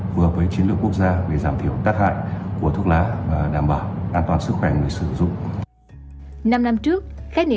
phù hợp với chiến lược quốc gia về giảm thiểu tác hại của thuốc lá và đảm bảo an toàn sức khỏe người sử dụng